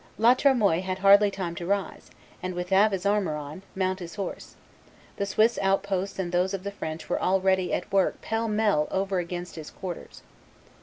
"La Tremoille had hardly time to rise, and, with half his armor on, mount his horse; the Swiss outposts and those of the French were already at work pell mell over against his quarters."